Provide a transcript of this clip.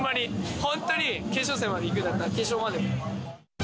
本当に決勝戦までいくんだったら、決勝まで。